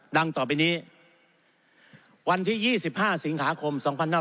ดังต่อไปนี้วันที่๒๕สิงหาคม๒๕๖๒